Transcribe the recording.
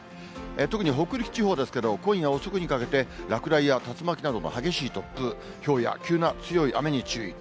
特に北陸地方ですけど、今夜遅くにかけて落雷や竜巻などの激しい突風、ひょうや急な強い雨に注意。